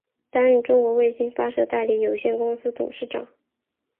担任中国卫星发射代理有限公司董事长。